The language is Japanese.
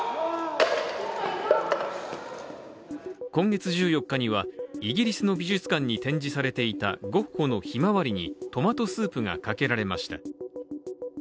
今月１４日には、イギリスの美術館に展示されていたゴッホの「ひまわり」にトマトスープがかけられました。